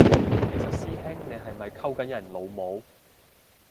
其實師兄你係咪溝緊人老母？